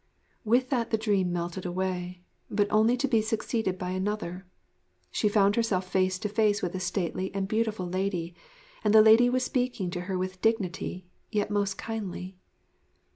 With that the dream melted away, but only to be succeeded by another. She found herself face to face with a stately and beautiful lady; and the lady was speaking to her with dignity, yet most kindly.